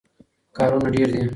کارونه ډېر دي.